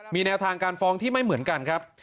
มีแนวทางการฟ้องที่ไม่เหมือนกันครับ